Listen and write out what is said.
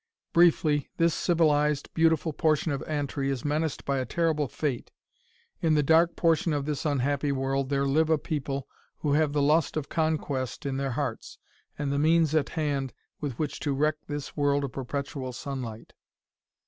"Briefly, this civilized, beautiful portion of Antri is menaced by a terrible fate. In the dark portion of this unhappy world there live a people who have the lust of conquest in their hearts and the means at hand with which to wreck this world of perpetual sunlight.